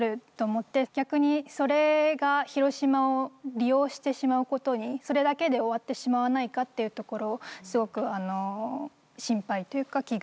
逆にそれが広島を利用してしまうことにそれだけで終わってしまわないかっていうところをすごく心配というか危惧していて。